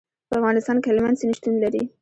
په افغانستان کې هلمند سیند شتون لري.